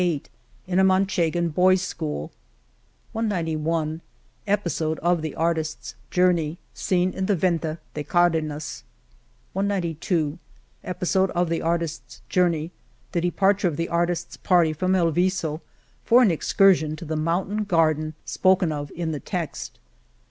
186 In a Manchegan boys^ school, 188 Episode of the artisfs journey : Scene in the Venta de Cardenas^ iqi Episode of the artisfs journey : The departure of the artisfs party from El Viso for an excursion to the mountain garden spoken of in the text